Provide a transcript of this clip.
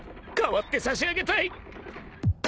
［代わってさしあげたい］